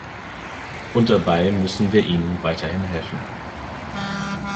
Und dabei müssen wir ihnen weiterhin helfen.